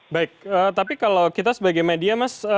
baik tapi kalau kita sebagai media mas